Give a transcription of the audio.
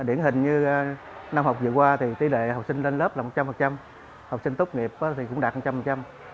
điển hình như năm học vừa qua thì tỷ lệ học sinh lên lớp là một trăm linh học sinh tốt nghiệp thì cũng đạt một trăm linh